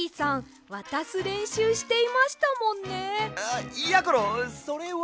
あっやころそれは。